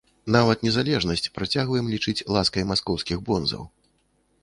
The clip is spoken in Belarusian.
Нават незалежнасць працягваем лічыць ласкай маскоўскіх бонзаў.